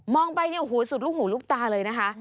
ไปเนี่ยโอ้โหสุดลูกหูลูกตาเลยนะคะ